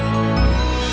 ini laten't u